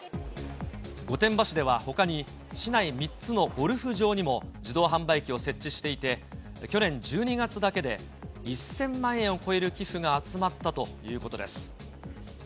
御殿場市ではほかに、市内３つのゴルフ場にも自動販売機を設置していて、去年１２月だけで１０００万円を超える寄付が集まったということです。